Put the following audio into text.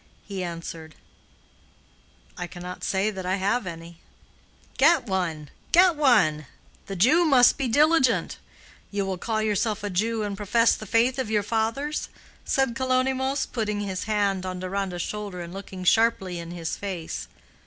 He answered, "I cannot say that I have any." "Get one, get one. The Jew must be diligent. You will call yourself a Jew and profess the faith of your fathers?" said Kalonymos, putting his hand on Deronda's shoulder and looking sharply in his face.